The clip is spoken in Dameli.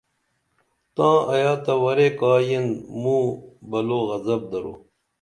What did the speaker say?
تاں ایا تہ ورے کا یین موں بلو غزب درو